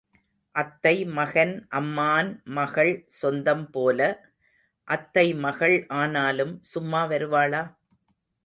அத்தை மகன், அம்மான் மகள் சொந்தம் போல, அத்தைமகள் ஆனாலும் சும்மா வருவாளா?